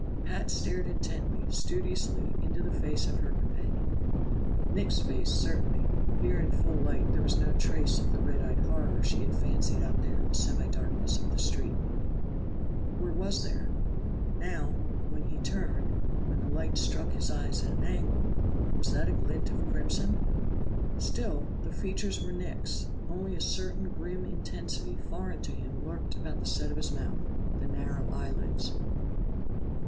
Pat stared intently, studiously, into the face of her companion. Nick's face, certainly; here in full light there was no trace of the red eyed horror she had fancied out there in the semi darkness of the street. Or was there? Now when he turned, when the light struck his eyes at an angle, was that a glint of crimson? Still, the features were Nick's, only a certain grim intensity foreign to him lurked about the set of his mouth, the narrowed eye lids.